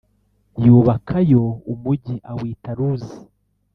yubakayo umugi awita Luzi.